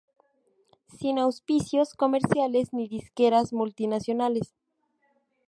Sin auspicios comerciales ni disqueras multinacionales.